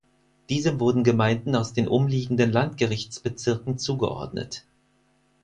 Diesem wurden Gemeinden aus den umliegenden Landgerichtsbezirken zugeordnet.